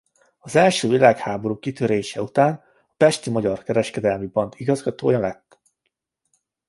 Az első világháború kitörése után a Pesti Magyar Kereskedelmi Bank igazgatója lett.